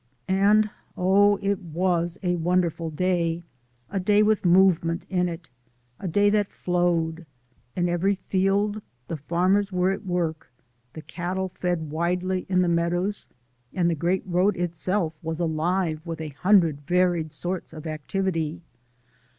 And oh, it was a wonderful day! A day with movement in it; a day that flowed! In every field the farmers were at work, the cattle fed widely in the meadows, and the Great Road itself was alive with a hundred varied sorts of activity.